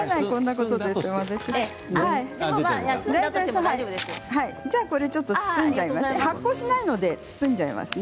これ、ちょっと包んじゃいますね。